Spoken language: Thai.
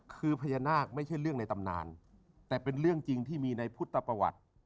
คือพญานาคไม่ใช่เรื่องในตำนานแต่เป็นเรื่องจริงที่มีในพุทธประวัติ